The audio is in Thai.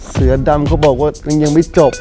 เสือดำเขาบอกว่ายังไม่จบ